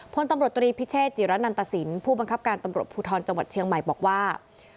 พลตำรวจตรีพิเชษจิระนันตสินผู้บังคับการตำรวจภูทรจังหวัดเชียงใหม่บอกว่า